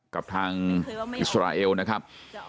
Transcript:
กับทางอิสราเอลนะครับ